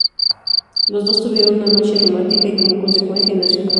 Los dos tuvieron una noche romántica y como consecuencia nació Tom.